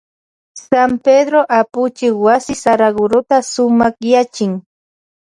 San Pedró apunchik wasi Saragurota sumakyachin.